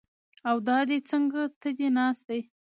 او دا دی څنګ ته دې ناست دی!